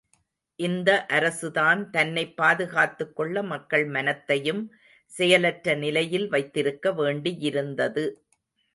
இந்த அரசுதான் தன்னைப் பாதுகாத்துக் கொள்ள மக்கள் மனத்தையும் செயலற்ற நிலையில் வைத்திருக்க வேண்டியிருந்தது.